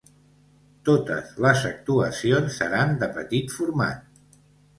Totes les actuacions seran de petit format.